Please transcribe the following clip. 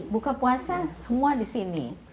buka puasa semua di sini